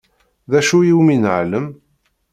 D acu iwumi neεlem?